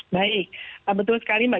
baik betul sekali mbak